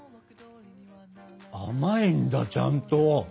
甘いんだちゃんと。